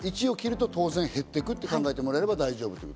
１を切ると当然減っていくと考えてもらえれば大丈夫。